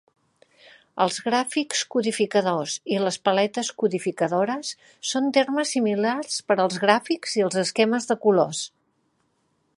"Els gràfics codificadors" i les "paletes codificadores" són termes similars per als gràfics i els esquemes de colors.